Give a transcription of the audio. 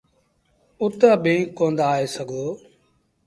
اُت اڀيٚنٚ ڪوندآ آئي سگھو۔